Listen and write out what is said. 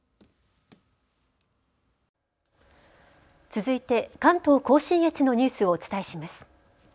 続いて関東甲信越のニュースをお伝えします。